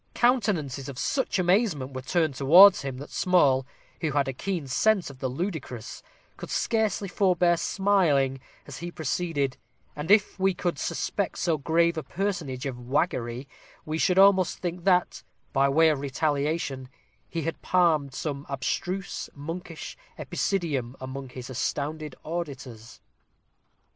Countenances of such amazement were turned towards him, that Small, who had a keen sense of the ludicrous, could scarcely forbear smiling as he proceeded; and if we could suspect so grave a personage of waggery, we should almost think that, by way of retaliation, he had palmed some abstruse, monkish epicedium upon his astounded auditors.